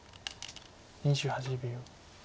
２８秒。